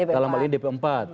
dalam hal ini dp empat